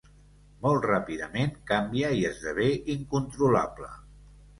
Molt ràpidament, canvia i esdevé incontrolable.